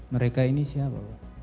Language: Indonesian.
mereka ini siapa pak